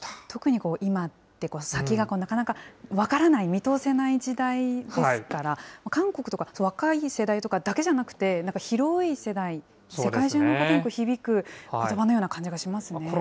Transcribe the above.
特に今って先がなかなか分からない、見通せない時代ですから、韓国とか若い世代とかだけじゃなくて、なんか広い世代、世界中の方に響くことばのような感じがしますもんね。